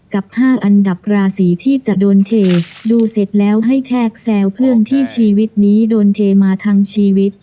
กับ๕อันดับราศีที่จะโดนเทดูเสร็จแล้วให้แทกแซวเพื่อนที่ชีวิตนี้โดนเทมาทั้งชีวิต